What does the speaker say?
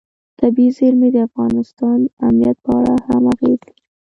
طبیعي زیرمې د افغانستان د امنیت په اړه هم اغېز لري.